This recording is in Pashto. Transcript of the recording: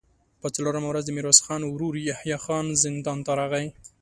په څلورمه ورځ د ميرويس خان ورو يحيی خان زندان ته راغی.